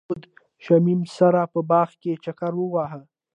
هغوی د تاوده شمیم سره په باغ کې چکر وواهه.